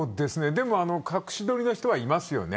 でも隠し撮りの人はいますよね。